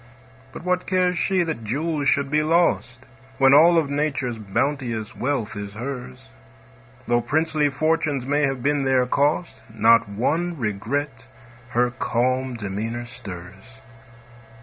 But what cares she that jewels should be lost, When all of Nature's bounteous wealth is hers? Though princely fortunes may have been their cost, Not one regret her calm demeanor stirs.